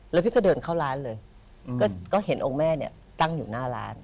แล้วพี่ก็เดินเข้าร้านเลยก็เห็นองค์แม่เนี่ยตั้งอยู่หน้าร้าน